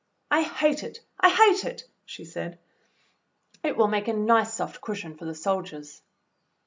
"I hate it! I hate it!" she said. "It will make a nice soft cushion for the soldiers."